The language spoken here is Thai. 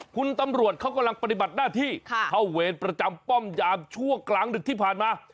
คุณตำรวจเขากำลังปฏิบัติหน้าที่เข้าเวรประจำป้อมยามช่วงกลางดึกที่ผ่านมา